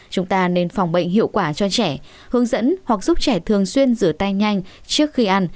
chúng ta nên phòng bệnh hiệu quả cho trẻ hướng dẫn hoặc giúp trẻ thường xuyên rửa tay nhanh trước khi ăn